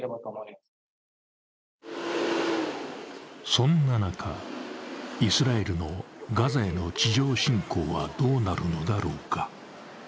そんな中、イスラエルのガザへの地上侵攻はどうなるのだろうか。